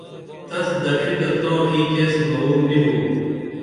تس دڇھی تہ تاں اینچ ایس موُر نی بو